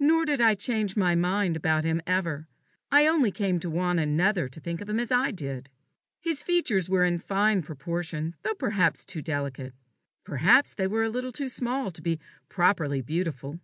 Nor did I change my mind about him ever I only came to want another to think of him as I did. His features were in fine proportion, though perhaps too delicate. Perhaps they were a little too small to be properly beautiful.